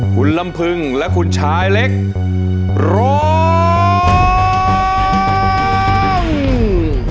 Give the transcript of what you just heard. คุณลำพึงและคุณชายเล็กร้อง